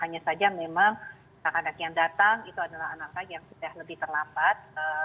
hanya saja memang anak anak yang datang itu adalah anak saja yang sudah lebih terlambat